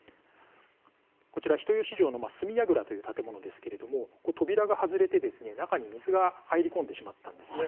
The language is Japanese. こちら、人吉城の角櫓という建物ですけれども扉が外れて中に水が入り込んでしまったんです。